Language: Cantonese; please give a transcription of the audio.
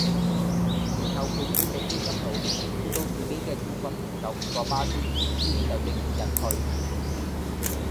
然後配股比基金佬配到自己既股份唔夠五個巴仙，你就正式引退